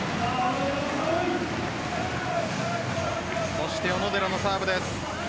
そして小野寺のサーブです。